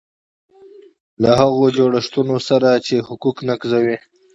له هغو جوړښتونو سره چې حقوق نقضوي.